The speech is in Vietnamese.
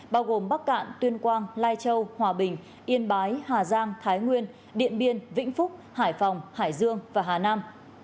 bao gồm bắc cạn tuyên quang lai châu hòa bình yên bái hà giang thái nguyên điện biên vĩnh phúc hải phòng hải dương và hà nam